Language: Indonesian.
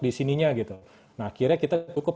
disininya gitu nah akhirnya kita cukup